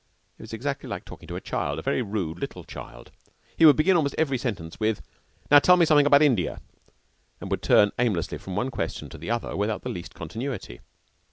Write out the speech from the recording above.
It was exactly like talking to a child a very rude little child. He would begin almost every sentence with, "Now tell me something about India," and would turn aimlessly from one question to the other without the least continuity.